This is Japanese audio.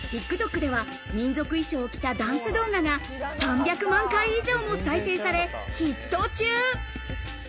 今ＴｉｋＴｏｋでは民族衣装を着たダンス動画が３００万回以上も再生され、ヒット中。